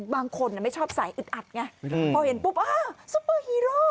บางคนไม่ชอบสายอึดอัดไงพอเห็นปุ๊บซุปเปอร์ฮีโร่